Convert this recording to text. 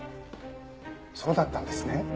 そうだったんですね。